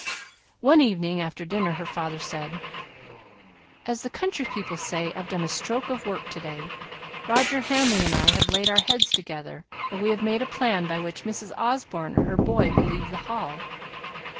One evening after dinner, her father said, "As the country people say, I've done a stroke of work to day. Roger Hamley and I have laid our heads together, and we've made a plan by which Mrs. Osborne and her boy will leave the Hall."